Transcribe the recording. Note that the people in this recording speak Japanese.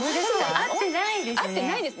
会ってないですね。